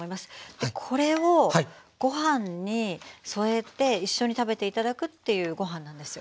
これをご飯に添えて一緒に食べて頂くっていうご飯なんですよ。